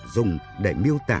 dùng để miêu tả